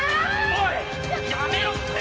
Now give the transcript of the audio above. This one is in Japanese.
おいやめろって！